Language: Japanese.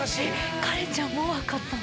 カレンちゃん、もう分かったの？